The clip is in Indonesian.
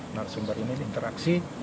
nah sumber ini di interaksi